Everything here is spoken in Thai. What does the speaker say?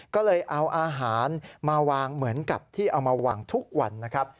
ก็เลยเอาอาหารมาวางเหมือนกับที่เอามาวางทุกวันนะครับ